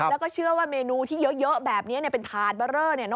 แล้วก็เชื่อว่าเมนูที่เยอะแบบนี้เป็นถาดเบอร์เรอ